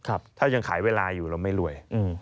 ถ้ายังขายเวลาอยู่เราไม่รวย